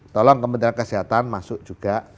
tolong kementerian kesehatan masuk juga